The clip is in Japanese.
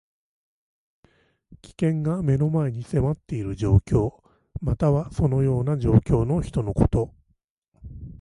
危険が目の前に迫っている状況。または、そのような状況の人のこと。